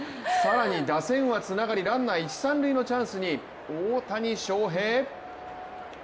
打線はつながりランナー一・三塁のチャンスに大谷翔平。